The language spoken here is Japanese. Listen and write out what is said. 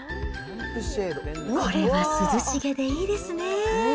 これは涼しげでいいですね。